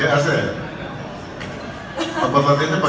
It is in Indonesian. jangan dipindah pindah pak jangan dipindah pindah pak